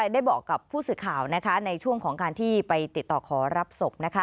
ได้บอกกับผู้สื่อข่าวในช่วงของการที่ไปติดต่อขอรับศพ